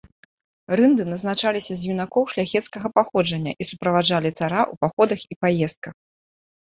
Рынды назначаліся з юнакоў шляхецкага паходжання і суправаджалі цара ў паходах і паездках.